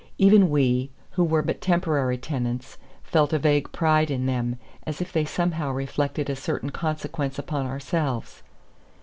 Even we, who were but temporary tenants, felt a vague pride in them, as if they somehow reflected a certain consequence upon ourselves.